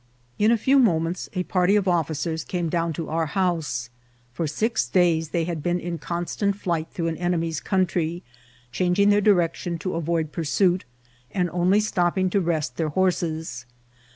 In a few moments a party of officers came down to our house. For six days they had been in constant flight through an enemy's country, changing their direc tion to avoid pursuit, and only stopping to rest their horses.